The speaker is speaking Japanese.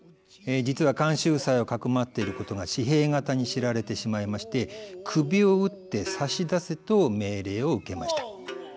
実は菅秀才をかくまっていることが時平方に知られてしまいまして首を討って差し出せと命令を受けました。